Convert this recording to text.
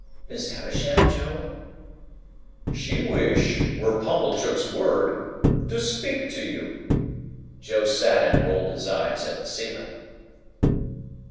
'" "Miss Havisham, Joe?" "'She wish,' were Pumblechook's word, 'to speak to you.'" Joe sat and rolled his eyes at the ceiling.